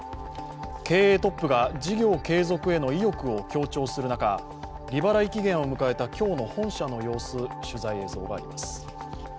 経営トップが事業継続への意欲を強調する中利払い期限を迎えた今日の本社の様子、取材をしています。